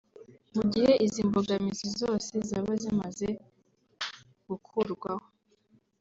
Mu gihe izi mbogamizi zoze zaba zimaze gukurwaho